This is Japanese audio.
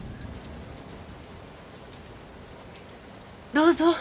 どうぞ。